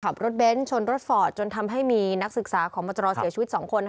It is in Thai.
เบ้นชนรถฟอร์ดจนทำให้มีนักศึกษาของมาตรเสียชีวิต๒คน